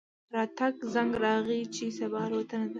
راته زنګ راغی چې صبا الوتنه ده.